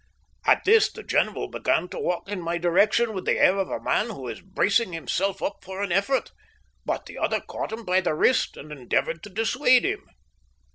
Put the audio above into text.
At this the general began to walk in my direction with the air of a man who is bracing himself up for an effort, but the other caught him by the wrist and endeavoured to dissuade him.